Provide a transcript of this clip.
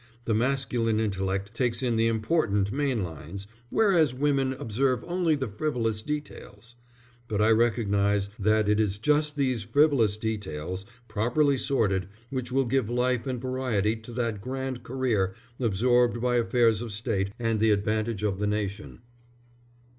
The masculine intellect takes in the important main lines, whereas women observe only the frivolous details. But I recognize that it is just these frivolous details, properly sorted, which will give life and variety to that grand career absorbed by affairs of State and the advantage of the nation."